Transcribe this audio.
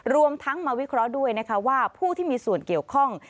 รวมทั้งมาวิเคราะห์ด้วยนะคะว่าผู้ที่มีส่วนเกี่ยวข้อง